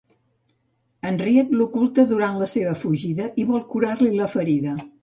Henriette l'oculta durant la seva fugida i vol curar-li la ferida.